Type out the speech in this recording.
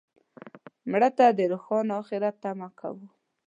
مړه ته د روښانه آخرت تمه کوو